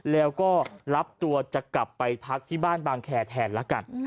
แล้วก็รับตัวจะกลับไปพักที่บ้านบางแคร์แทนละกัน